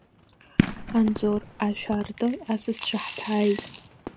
Анзор, ашә аарты, асасцәа ҳҭааит!